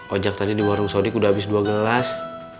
ojak tadi di warung sodik udah abis dua gelas